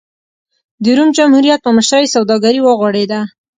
د روم جمهوریت په مشرۍ سوداګري وغوړېده.